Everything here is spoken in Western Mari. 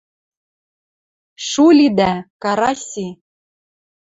— Шу лидӓ! Караси